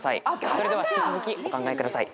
それでは引き続きお考えください。